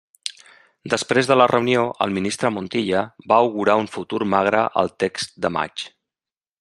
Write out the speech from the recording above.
Després de la reunió, el ministre Montilla va augurar un futur magre al text de maig.